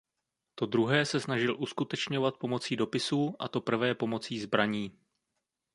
To druhé se snažil uskutečňovat pomocí dopisů a to prvé pomocí zbraní.